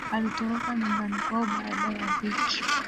Alitoroka nyumbani kwao baada ya dhiki